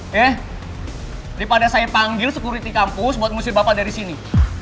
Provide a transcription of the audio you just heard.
heh daripada saya panggil sekuriti kampus buat ngusir bapak dari sini